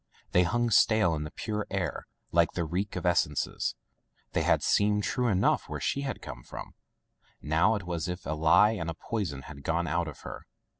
They hung stale in the pure air like the reek of essences. They had seemed true enough where she came from. Now it was as if a lie and a poison had gone out of her.